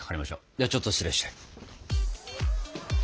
ではちょっと失礼して。